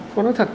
tôi nói thật